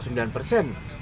sebesar satu sembilan persen